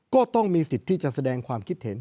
ก็ต้องมีสิทธิ์ที่จะแสดงความคิดเห็น